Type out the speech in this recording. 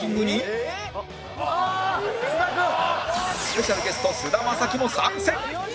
スペシャルゲスト菅田将暉も参戦！